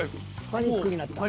パニックになった。